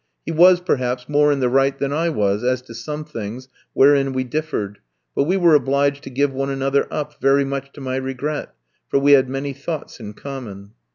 He was, perhaps, more in the right than I was as to some things wherein we differed, but we were obliged to give one another up, very much to my regret, for we had many thoughts in common.